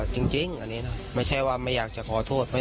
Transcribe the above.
จริงอันนี้นะไม่ใช่ว่าไม่อยากจะขอโทษ